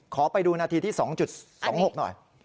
ขอไปดูนาทีที่๒๒๖หน่อย